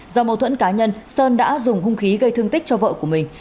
do mâu thuẫn cá nhân sơn đã dùng hung khí gây thương tích cho vợ của mình